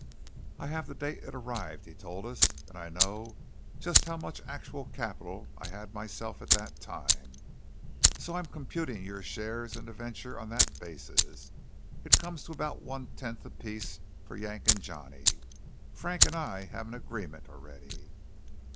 "I have the date it arrived," he told us, "and I know just how much actual capital I had myself at that time. So I'm computing your shares in the venture on that basis. It comes to about one tenth apiece for Yank and Johnny. Frank and I have an agreement already."